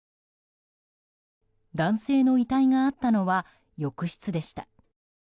男性の遺体があったのは浴室でした。